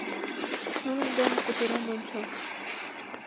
Нунын дене кутырен ончо.